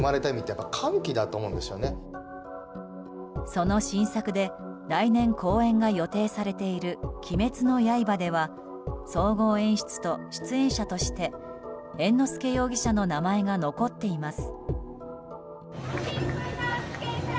その新作で来年、公演が予定されている「鬼滅の刃」では総合演出と出演者として猿之助容疑者の名前が残っています。